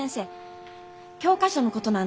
教科書のことなんですけど。